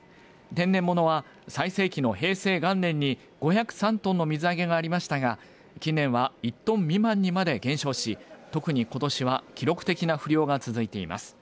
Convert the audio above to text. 天然ものは最盛期の平成元年に５０３トンの水揚げがありましたが近年は１トン未満にまで減少し特にことしは記録的な不漁が続いています。